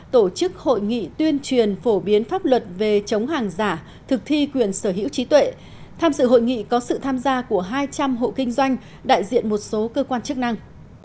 tổ chức hội nghị tuyên truyền phổ biến pháp luật về chống hàng giả thực thi quyền sở hữu trí tuệ tham dự hội nghị có sự tham gia của hai trăm linh hộ kinh doanh đại diện một số cơ quan chức năng